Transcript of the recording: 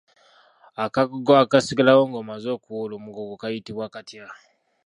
Akagogo akasigalawo ng’omaze okuwoola omugogo kayitibwa katya?